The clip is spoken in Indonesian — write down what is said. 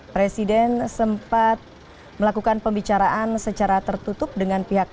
presiden sempat melakukan pembicaraan secara tertutup dengan pihak